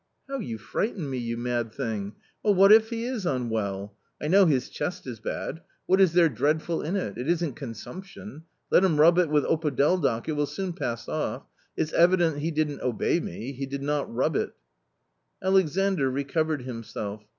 " How you frightened me, you mad thing. Well, what if he is unwell? I know his chest is bad. What is there dreadful in it? it isn't consumption! let him rub it with opodeldoc — it will soon pass off ; it's evident he didn't obey me, he did not rub it." Alexandr recovered himself.